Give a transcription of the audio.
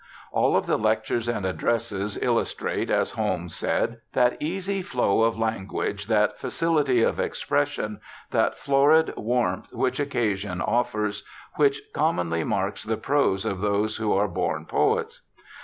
All of the lectures and addresses illustrate, as Holmes said, ' that easy flow of language, that facility of expression, that florid warmth when occasion offers, which commonly marks the prose of those who are born poets.'